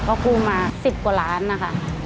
ก็กู้มา๑๐กว่าล้านนะคะ